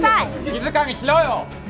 静かにしろよ！